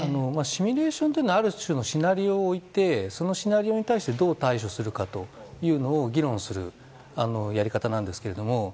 シミュレーションというのはある種のシナリオを置いてそのシナリオに対してどう対処するかというのを議論するやり方なんですけれども。